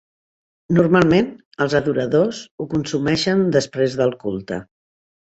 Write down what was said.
Normalment, els adoradors ho consumeixen després del culte.